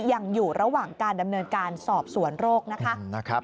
ยังอยู่ระหว่างการดำเนินการสอบสวนโรคนะคะ